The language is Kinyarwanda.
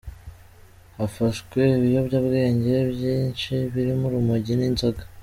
Hafashwe ibiyobyabwenge byinshi birimo urumogi n’inzoga.